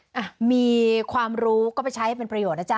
อ่ะมีความรู้ก็ไปใช้เป็นประโยชนนะจ๊